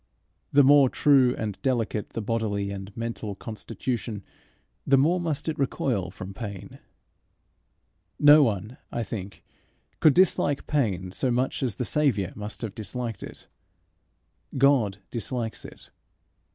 The more true and delicate the bodily and mental constitution, the more must it recoil from pain. No one, I think, could dislike pain so much as the Saviour must have disliked it. God dislikes it.